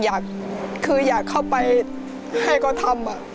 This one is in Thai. อยากเข้าไปให้เค้าทำ